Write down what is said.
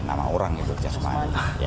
nama orang itu jasmani